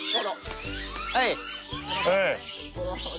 はい。